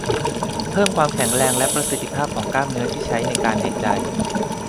เพิ่มความแข็งแรงและประสิทธิภาพของกล้ามเนื้อที่ใช้ในการหายใจ